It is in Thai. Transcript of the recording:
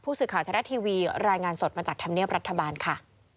ผู้สึกข่าวทะเลทีวีรายงานสดมาจากธรรมเนียบรัฐบาลค่ะ